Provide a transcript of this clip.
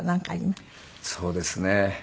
そうですね。